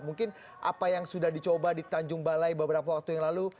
mungkin apa yang sudah dicoba di tanjung balai beberapa waktu yang lalu